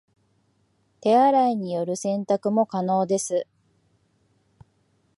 手洗いによる洗濯も可能です